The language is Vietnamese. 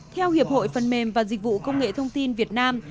theo hiệp hội phần mềm và dịch vụ công nghệ thông tin việt nam